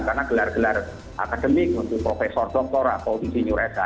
karena gelar gelar akademik mungkin profesor doktor atau disinyur s a s a